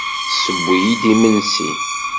Tesseww-iyi-d imensi.